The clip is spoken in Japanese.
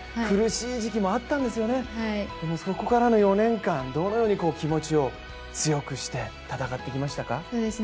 苦しい時期もあったんですよね、でもそこからの４年間、どのように気持ちを強くして戦ってきましたか。